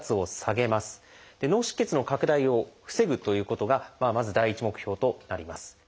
脳出血の拡大を防ぐということがまず第一目標となります。